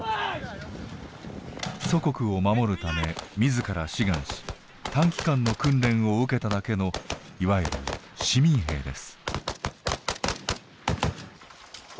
祖国を守るため自ら志願し短期間の訓練を受けただけのいわゆる市民兵です。